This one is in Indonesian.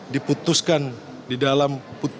diputuskan di dalam